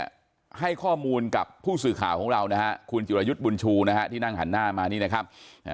ให้ข้อมูลกับผู้สื่อข่าวของเรานะฮะคุณจิรายุทธ์บุญชูนะฮะที่นั่งหันหน้ามานี่นะครับ